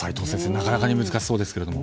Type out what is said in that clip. なかなかに難しそうですけども。